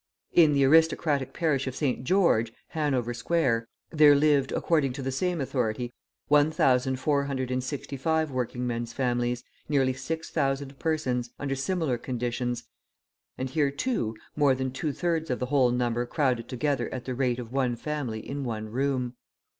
In the aristocratic parish of St. George, Hanover Square, there lived, according to the same authority, 1,465 working men's families, nearly 6,000 persons, under similar conditions, and here, too, more than two thirds of the whole number crowded together at the rate of one family in one room.